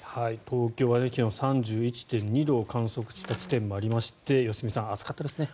東京は昨日、３１．２度を観測した地点もありまして良純さん、暑かったですね。